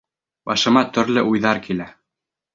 Башыма төрлө уйҙар килә.